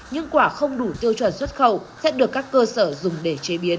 nhưng quả không đủ tiêu chuẩn xuất khẩu sẽ được các cơ sở dùng để chế biến